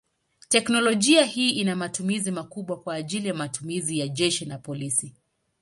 Teknolojia hii ina matumizi makubwa kwa ajili matumizi ya jeshi na polisi.